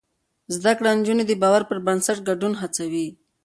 زده کړې نجونې د باور پر بنسټ ګډون هڅوي.